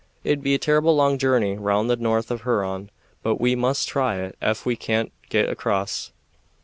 It'd be a terrible long journey round the north of Huron, but we must try it ef we can't get across."